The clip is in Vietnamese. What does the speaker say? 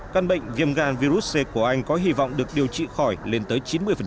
căn bệnh viêm gan virus c của anh có hy vọng được điều trị khỏi lên tới chín mươi